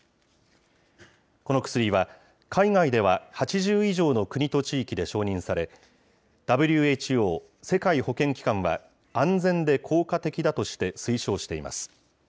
この薬は、海外では８０以上の国と地域で承認され、ＷＨＯ・世界保健機関は、安全で効果的だとして、推奨しています。